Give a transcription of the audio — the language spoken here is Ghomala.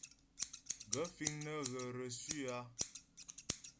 Gaə̂ fíŋ nə́ ghə̀ reçu a ?